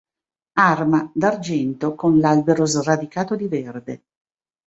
Arma: d'argento, con l'albero sradicato di verde.